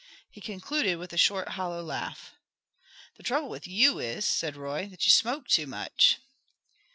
He concluded with a short, hollow laugh. "The trouble with you is," said Roy, "that you smoke too much."